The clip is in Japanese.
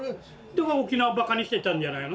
沖縄をバカにしてたんじゃないの？